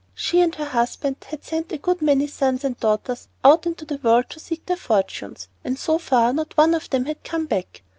She and her husband had sent a good many sons and daughters out into the world to seek their fortunes, and so far not one of them had come back.